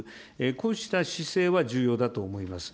こうした姿勢は重要だと思います。